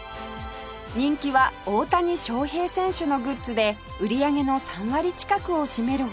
人気は大谷翔平選手のグッズで売り上げの３割近くを占めるほど